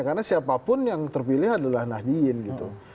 karena siapapun yang terpilih adalah nahdien gitu